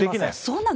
そうなの？